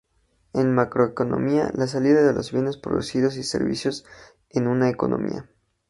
En macroeconomía, la salida son los bienes producidos y servicios en una economía.